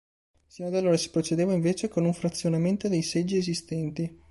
Sino ad allora, si procedeva invece con un frazionamento dei seggi esistenti.